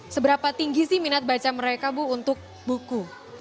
seberapa tinggi sih minat baca mereka bu untuk buku